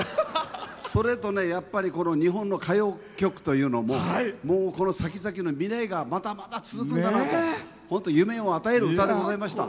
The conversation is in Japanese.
それとねやっぱりこの日本の歌謡曲というのももうこのさきざきの未来がまだまだ続くんだなとホント夢を与える歌でございました。